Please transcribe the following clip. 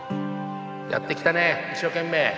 やってきたね一生懸命。